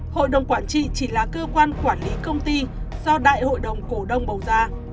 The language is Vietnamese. hội đồng quản trị chỉ là cơ quan quản lý công ty do đại hội đồng cổ đông bầu ra